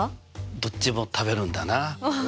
どっちも食べるんだな。